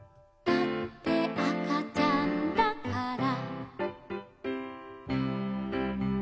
「だってあかちゃんだから」